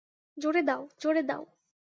জোরে দাও, জোরে দাও।